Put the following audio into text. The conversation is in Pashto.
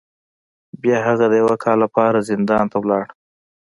بیا هغه د یو کال لپاره زندان ته لاړ.